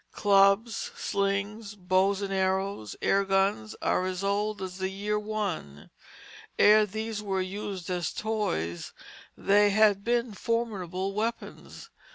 Clubs, slings, bows and arrows, air guns, are as old as the year One. Ere these were used as toys, they had been formidable weapons.